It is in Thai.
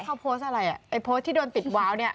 เขาโพสต์อะไรโพสต์ที่โดนติดว้าว